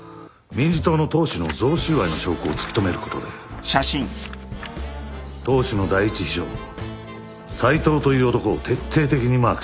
民事党の党首の贈収賄の証拠を突き止めることで党首の第１秘書斉藤という男を徹底的にマークした。